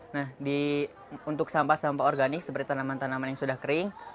nah untuk sampah sampah organik seperti tanaman tanaman yang sudah kering